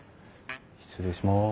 失礼します。